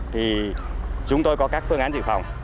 thì chúng tôi có các phương án dự phòng